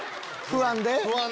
不安で。